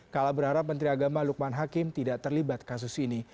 kala berharap menteri agama lukman hakim tidak terlibat kasus ini